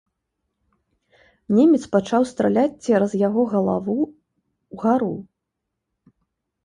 Немец пачаў страляць цераз яго галаву ўгару.